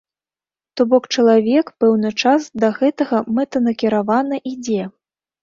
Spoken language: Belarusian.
То бок чалавек пэўны час да гэтага мэтанакіравана ідзе.